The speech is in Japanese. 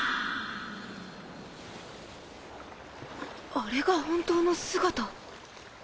あれが本当の姿。